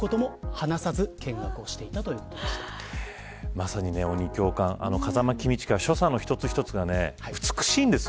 まさに鬼教官風間公親の所作の一つ一つが美しいんです。